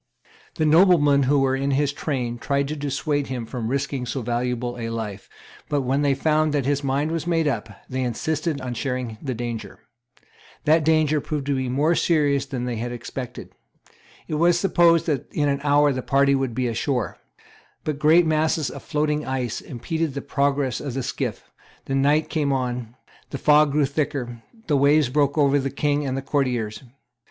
The noblemen who were in his train tried to dissuade him from risking so valuable a life; but, when they found that his mind was made up, they insisted on sharing the danger. That danger proved more serious than they had expected. It had been supposed that in an hour the party would be on shore. But great masses of floating ice impeded the progress of the skiff; the night came on; the fog grew thicker; the waves broke over the King and the courtiers.